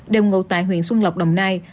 đều ngụ tại huyện xuân lộc đồng nai